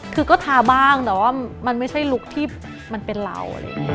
คือก็ทาบ้างแต่ว่ามันไม่ใช่ลุคที่มันเป็นเหล่า